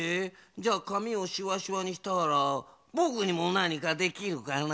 じゃあかみをしわしわにしたらぼくにもなにかできるかな？